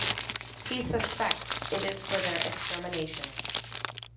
He suspects it is for their extermination.